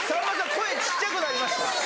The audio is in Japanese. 声小っちゃくなりました？